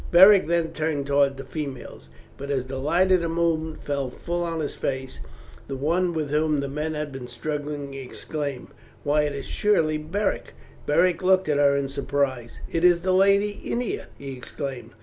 Beric then turned towards the females, and as the light of the moon fell full on his face the one with whom the men had been struggling exclaimed, "Why, it is surely Beric!" Beric looked at her in surprise. "It is the lady Ennia!" he exclaimed.